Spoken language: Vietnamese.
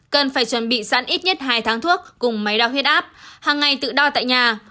cần phải chuẩn bị sẵn ít nhất hai tháng thuốc cùng máy đo huyết áp hàng ngày tự đo tại nhà